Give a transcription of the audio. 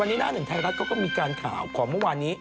วันนี้หน้าหนึ่งไทยรัฐเขาก็มีการข่าวของเมื่อวานนี้